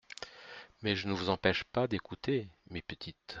Mais je ne vous empêche pas d'écouter, mes petites.